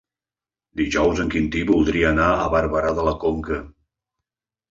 Dijous en Quintí voldria anar a Barberà de la Conca.